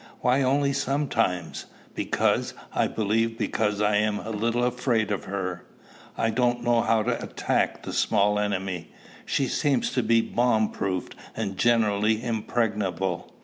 "Why only sometimes?" "Because I believe because I am a little afraid of her. I don't know how to attack the small enemy. She seems to be bomb proof, and generally impregnable."